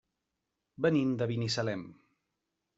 Venim de Binissalem.